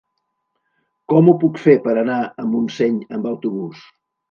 Com ho puc fer per anar a Montseny amb autobús?